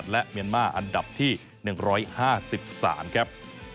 และเมียนมาอันดับที่๑๕๓ครับ